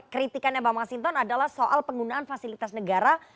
kritikannya bang masinton adalah soal penggunaan fasilitas negara